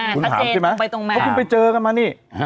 คุณถามใช่ไหมเพราะคุณไปเจอกันมานี่